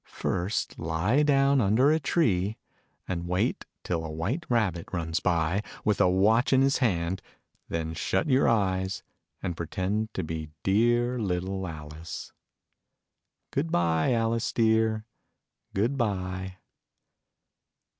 First lie down under a tree, and wait till a White Rabbit runs by, with a watch in his hand : then shut your eyes, and pretend to be dear little Alice. Good bye, Alice dear, good bye